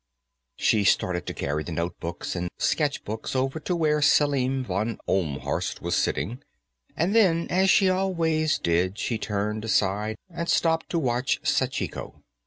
She started to carry the notebooks and sketchbooks over to where Selim von Ohlmhorst was sitting, and then, as she always did, she turned aside and stopped to watch Sachiko.